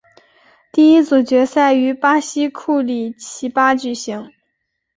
第一组决赛于巴西库里奇巴举行。